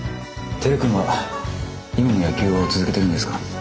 輝君は今も野球を続けてるんですか？